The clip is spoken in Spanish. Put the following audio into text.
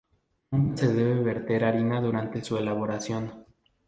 Nunca se debe verter harina durante su elaboración.